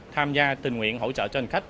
tham gia tình nguyện hỗ trợ cho hành khách